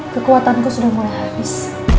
kekuatanku sudah mulai habis